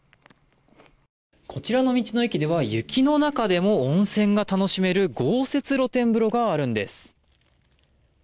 こちらの道の駅では雪の中でも温泉が楽しめる豪雪露天風呂があるんです。